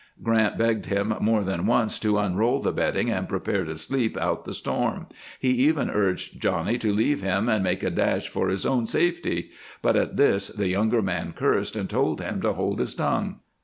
Grant begged him more than once to unroll the bedding and prepare to sleep out the storm; he even urged Johnny to leave him and make a dash for his own safety, but at this the younger man cursed and told him to hold his tongue.